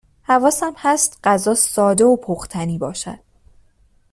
حواسم هست غذا ساده و پختنی باشد